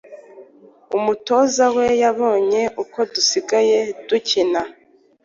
Umutoza we yabonye uko dusigaye dukina,